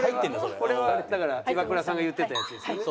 これはだからイワクラさんが言ってたやつですよね。